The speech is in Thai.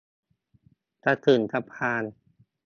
จะถึงสะพาน